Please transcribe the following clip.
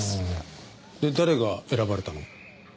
で誰が選ばれたの？